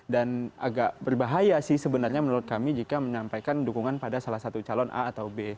dan agak berbahaya sih sebenarnya menurut kami jika menampaikan dukungan pada salah satu calon a atau b